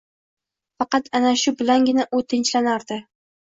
Faqat ana shu bilangina u tinchlanardi.